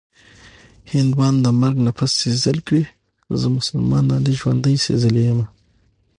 هندوان د مرګ نه پس سېزل کړي-زه مسلمان لالي ژوندۍ سېزلې یمه